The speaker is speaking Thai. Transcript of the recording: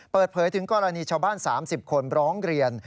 เปิดเผยถึงกรณีชาวบ้าน๓๐คนร้องเรียน